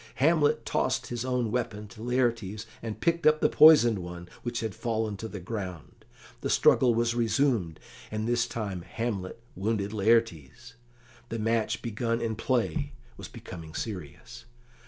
Hamlet tossed his own weapon to Laertes, and picked up the poisoned one which had fallen to the ground. The struggle was resumed, and this time Hamlet wounded Laertes. The match begun in play was becoming serious.